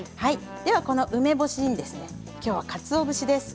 この梅干しにきょうは、かつお節です。